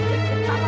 malah kak zal